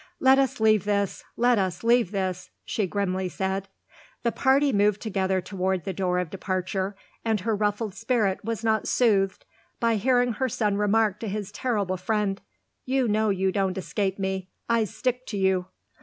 "Let us leave this let us leave this!" she grimly said. The party moved together toward the door of departure, and her ruffled spirit was not soothed by hearing her son remark to his terrible friend: "You know you don't escape me; I stick to you!"